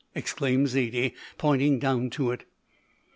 exclaimed Zaidie, pointing down to it.